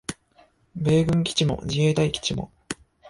米軍基地も自衛隊基地も